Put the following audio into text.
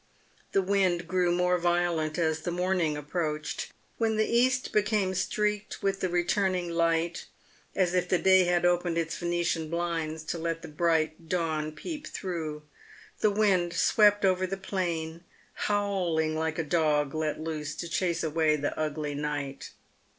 The wind grew more violent as the morning approached. When the east became streaked with the returning light, as if the day had opened its Venetian blinds to let the bright dawn peep through, the wind swept over the plain, howling like a dog let loose to chase away the ugly night.